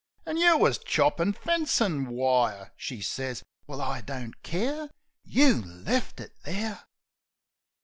An' you wus choppin' fencin' wire!" She sez, "Well, I don't care. You left it there!"